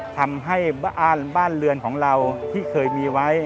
ทำให้บ้านเรือนของเราที่เคยมีไว้